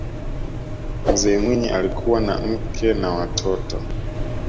mzee mwinyi alikuwa na mke na watoto